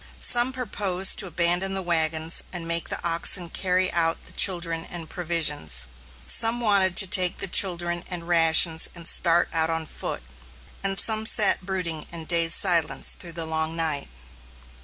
Some proposed to abandon the wagons and make the oxen carry out the children and provisions; some wanted to take the children and rations and start out on foot; and some sat brooding in dazed silence through the long night.